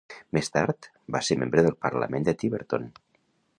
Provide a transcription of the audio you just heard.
Més tard, va ser membre del Parlament de Tiverton.